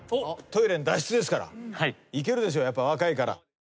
トイレの脱出ですからいけるでしょ若いから。